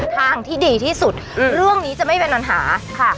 ทางที่ดีที่สุดเรื่องนี้จะไม่เป็นปัญหาค่ะ